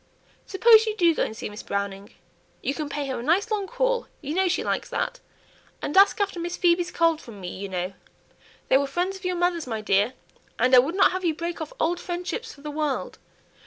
Suppose you do go and see Miss Browning; you can pay her a nice long call, you know she likes that; and ask after Miss Phoebe's cold from me, you know. They were friends of your mother's, my dear, and I would not have you break off old friendships for the world.